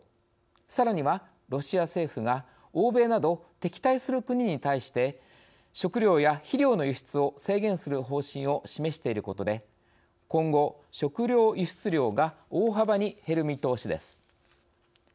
さらには、ロシア政府が欧米など敵対する国に対して食糧や肥料の輸出を制限する方針を示していることで今後、食糧輸出量が大幅に減る見通しです。